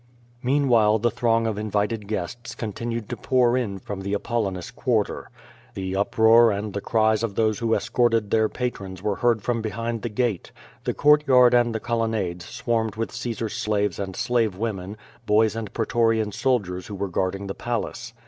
Meanwhile the throng of invited guests continued to pour in from the Apollinis quarter. The uproar and the cries of those who escorted their patrons were heard from behind the gate. The court yard and the colonnades swarmed with Caesar's slaves and slave women, boys and pretorian soldiers who were guarding the palace.